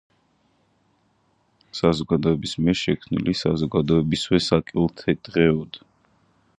მუცელი მოყვითალო აქვს.